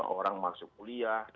orang masuk kuliah